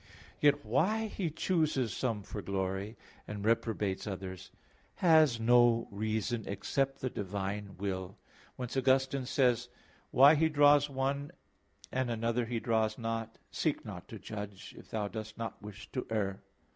Yet why He chooses some for glory, and reprobates others, has no reason, except the divine will. Whence Augustine says (Tract. xxvi. in Joan.): "Why He draws one, and another He draws not, seek not to judge, if thou dost not wish to err."